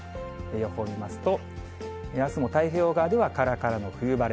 予報見ますと、あすも太平洋側ではからからの冬晴れ。